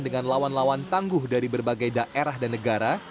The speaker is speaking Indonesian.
dengan lawan lawan tangguh dari berbagai daerah dan negara